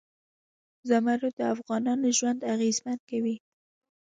زمرد د افغانانو ژوند اغېزمن کوي.